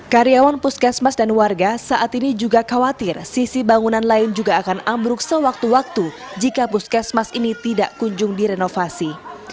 karyawan puskesmas dan warga saat ini juga khawatir sisi bangunan lain juga akan ambruk sewaktu waktu jika puskesmas ini tidak kunjung direnovasi